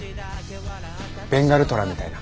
ベンガルトラみたいな。